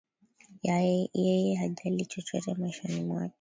Yeye hajali chochote maishani mwake